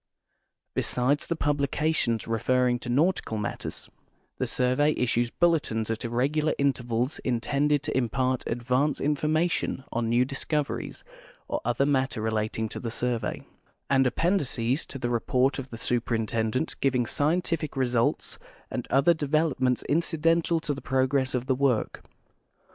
Besides the publications referring to nautical matters, the survey issues bulletins at irregular intervals intended to impart advance information on new discoveries or other matter relating to the survey ; and appendices to the report of the Superintendent giving scientific results and other de velopments incidental to the progress of the work.